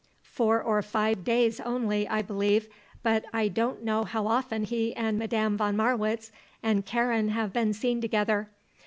"Four or five days only, I believe; but I don't know how often he and Madame von Marwitz and Karen have been seen together.